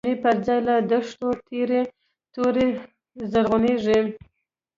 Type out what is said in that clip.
د شنلی پر ځای له دښتو، تیری توری زرغونیږی